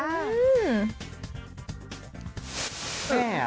แม่อ่ะ